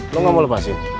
lo gak mau lepasin